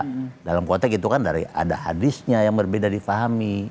kalau di dalam konteks itu kan ada hadisnya yang berbeda di fahami